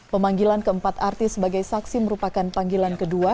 pemanggilan keempat artis sebagai saksi merupakan panggilan kedua